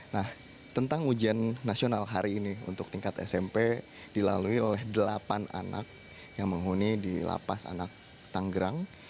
nah tentang ujian nasional hari ini untuk tingkat smp dilalui oleh delapan anak yang menghuni di lapas anak tanggerang